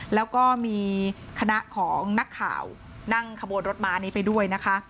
แล้วก็มีคณะของนักข่าวนั่งขบวนรถม้านี้ไปด้วยนะคะ